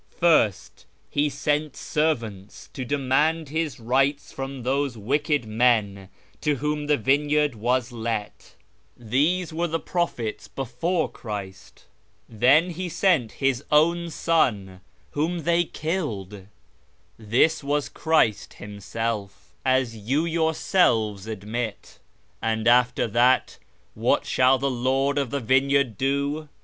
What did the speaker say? First, He sent servants to demand his rights from those wicked men to whom the vineyard was let ; these were the prophets before Christ, Then He sent His own Son, whom they killed ; this was Christ Himself, as you yourselves admit. And after that what shall the Lord of the vineyard do